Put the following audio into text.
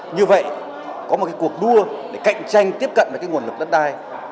như vậy có một cuộc đua để cạnh tranh tiếp cận với nguồn lực đất đai